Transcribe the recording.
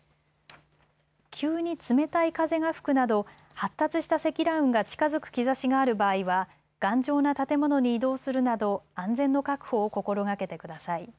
急に冷たい風が吹くなど発達した積乱雲が近づく兆しがある場合は頑丈な建物に移動するなど安全の確保を心がけてください。